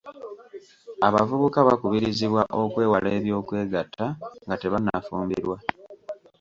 Abavubuka bakubirizibwa okwewala eby'okwegatta nga tebannafumbirwa.